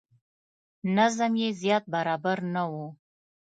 نظم یې زیات برابر نه و.